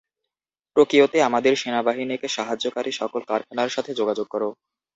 টোকিওতে আমাদের সেনাবাহিনীকে সাহায্যকারী সকল কারখানার সাথে যোগাযোগ কর।